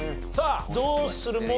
さあどうする？